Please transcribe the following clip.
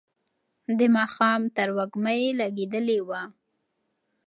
د ماښام تروږمۍ لګېدلې وه.